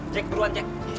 cek duluan cek